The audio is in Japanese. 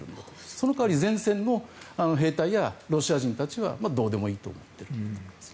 その代わり前線の兵隊やロシア人たちはどうでもいいと思ってると思います。